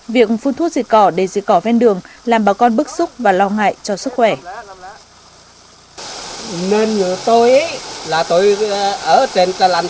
việc phun thuốc diệt cỏ để diệt cỏ ven đường làm bà con bức xúc và lo ngại cho sức khỏe